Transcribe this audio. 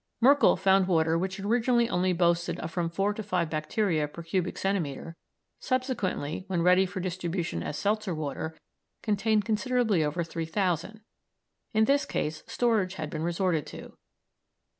Merkel found water which originally only boasted of from four to five bacteria per cubic centimetre, subsequently, when ready for distribution as seltzer water, contained considerably over 3,000. In this case storage had been resorted to.